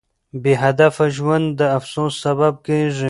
بې هدفه ژوند د افسوس سبب کیږي.